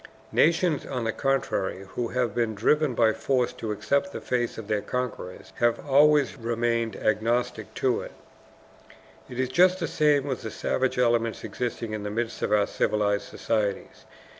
Nations, on the contrary, who have been driven by force to accept the faith of their conquerors have always remained antagonistic to it. It is just the same with the savage elements existing in the midst of our civilized societies.